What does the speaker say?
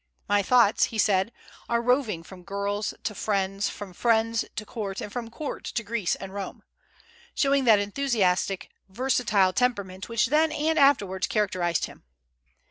"My thoughts," he said, "are roving from girls to friends, from friends to court, and from court to Greece and Rome," showing that enthusiastic, versatile temperament which then and afterwards characterized him.